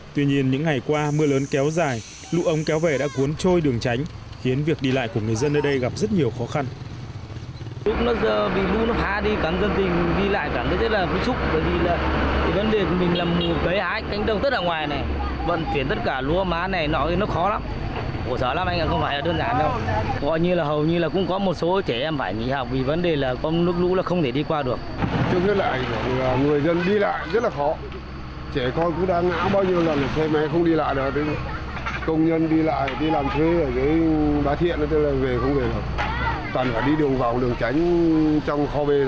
tuy nhiên những ngày qua mưa lớn kéo dài lũ ống kéo về đã cuốn trôi đường tránh khiến việc đi lại của người dân ở đây gặp rất nhiều khó khăn